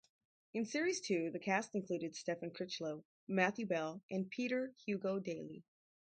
In series two the cast included Stephen Critchlow, Matthew Bell and Peter Hugo-Daly.